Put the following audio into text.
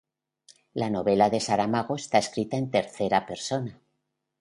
La novela de Saramago está escrita en tercera persona.